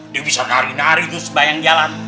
dia bisa nari nari terus bayang jalan